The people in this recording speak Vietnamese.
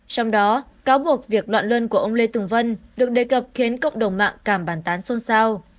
trong đó cáo buộc việc loạn luân của ông lê tùng vân được đề cập khiến cộng đồng mạng càng bàn tán xôn xao